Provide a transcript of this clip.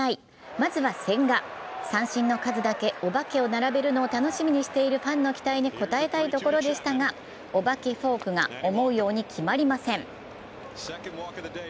まずは千賀、三振の数だけお化けを並べるのを楽しみにしているファンの期待に応えたいところでしたがお化けフォークが思うように決まりません。